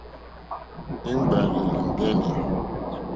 Íŋ!ɡbárzèlì ndɛ́nɛ̀.